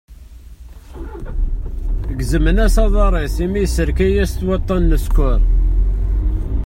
Gezmen-as aṭar-is, imi ysserka-as-t waṭṭan n ssker.